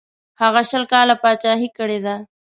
هغه شل کاله پاچهي کړې ده.